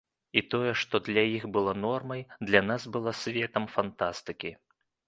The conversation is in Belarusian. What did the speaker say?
І тое, што для іх было нормай, для нас было светам фантастыкі.